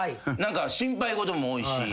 心配事も多いし。